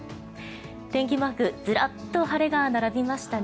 天気マークずらっと晴れが並びましたね。